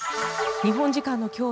日本時間の今日